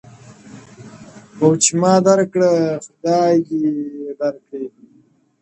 o چي ما در کړه، خداى دې در کړي!